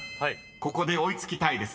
ここで追い付きたいですね］